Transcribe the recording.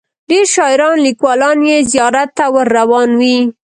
ډیر شاعران لیکوالان یې زیارت ته ور روان وي.